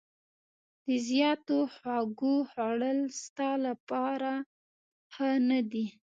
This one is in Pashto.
د زیاتو خوږو خوړل ستا لپاره ښه نه دي.